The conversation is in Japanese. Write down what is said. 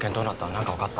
何か分かった？